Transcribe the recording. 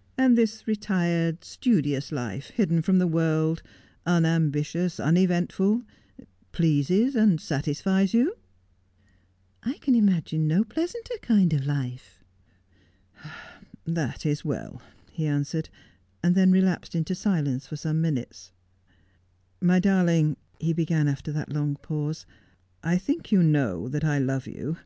' And this retired, studious life, hidden from the world, un ambitious, uneventful, pleases and satisfies you 1 '' I can imagine no pleasanter kind of life.' ' That is well,' he answered, and then relapsed into silence for some minutes. 'My darling,' he began after that long pause, 'I think you know that I love you.